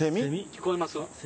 聞こえますか？